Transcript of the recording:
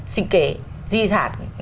sinh kể di sản